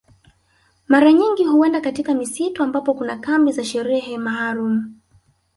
Mara nyingi huenda katika misitu ambapo kuna kambi za sherehe maalum